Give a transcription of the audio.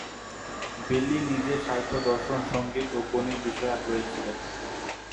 বেলি নিজে সাহিত্য, দর্শন, সঙ্গীত ও গণিতে বিশেষ আগ্রহী ছিলেন।